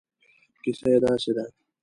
کیسه یې داسې ده.